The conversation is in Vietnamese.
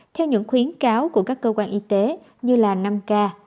theo những khuyến cáo của các cơ quan y tế như là năm k